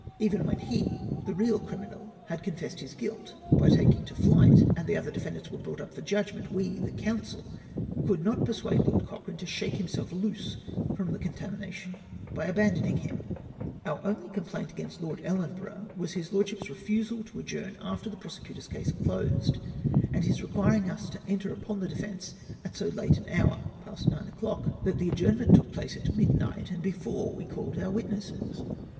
Even when he, the real criminal, had confessed his guilt, by taking to flight, and the other de fendants were brought up for judgment, we, the coimsel, could not persuade Lord Cochrane to shake himself loose from the contamination by abandoning him. " Our only complaint against Lord EUenborough was his EXTRACT FROM LORD BROUGHAMS WORKS. 329 T.ovdship's refusal to adjourn after tlie prosecutor's case closed, and Ms requiring us to enter upon oiu* defence at so late an hour — past nine o'clock — that the adjournment took place at midnight, and before we called our witnesses.